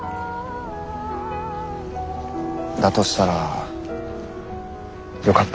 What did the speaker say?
だとしたらよかった。